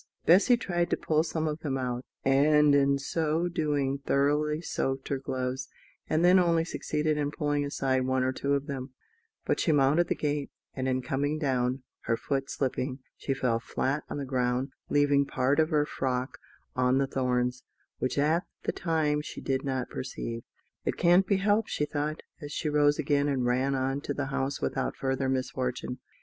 Bessy tried to pull some of them out, and in so doing thoroughly soaked her gloves, and then only succeeded in pulling aside one or two of them; but she mounted the gate, and in coming down, her foot slipping, she fell flat on the ground, leaving part of her frock on the thorns, which at the time she did not perceive. "It can't be helped," she thought, as she rose again, and ran on to the house without further misfortune.